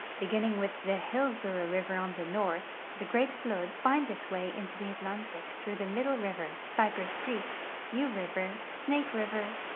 Beginning with the Hillsboro river on the north, the great flood finds its way into the Atlantic through the Middle river, Cyj)ress creek, New river. Snake river.